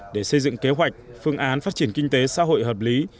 để xây dựng kế hoạch phương án phát triển kinh tế xã hội hợp lý